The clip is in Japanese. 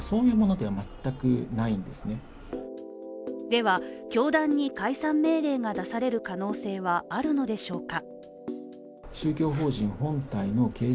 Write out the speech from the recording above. では、教団に解散命令が出される可能性はあるのでしょうか。